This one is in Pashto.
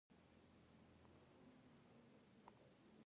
غاښونه سپین دي.